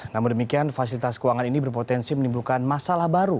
namun demikian fasilitas keuangan ini berpotensi menimbulkan masalah baru